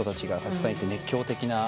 熱狂的な。